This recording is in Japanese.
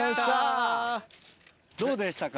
どうでしたか？